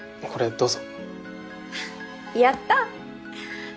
どうぞ。